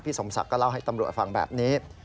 สมศักดิ์ก็เล่าให้ตำรวจฟังแบบนี้